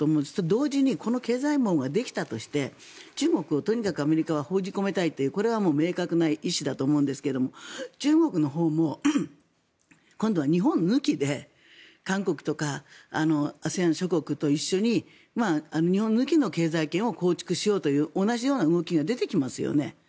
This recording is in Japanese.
同時にこの経済網ができたとして中国をとにかくアメリカは封じ込めたいというこれは明確な意思だと思うんですが中国のほうも今度は日本抜きで韓国とかＡＳＥＡＮ諸国と一緒に日本抜きの経済圏を構築しようという同じような動きが出てきますよね。